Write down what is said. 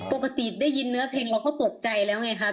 ปกติได้ยินเนื้อเพลงเราก็เปิดใจแล้วไงคะ